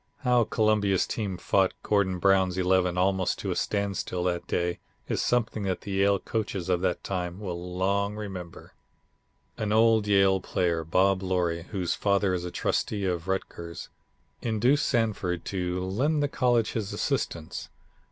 How Columbia's team fought Gordon Brown's Eleven almost to a standstill that day is something that the Yale coaches of that time will long remember." An old Yale player, Bob Loree, whose father is a Trustee of Rutgers, induced Sanford to lend the college his assistance.